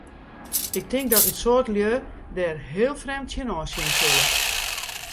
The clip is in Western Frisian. Ik tink dat in soad lju dêr heel frjemd tsjinoan sjen sille.